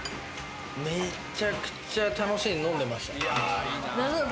めちゃめちゃ楽しく飲んでました。